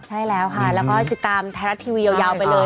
ใช่แล้วค่ะแล้วก็ติดตามไทยรัฐทีวียาวไปเลย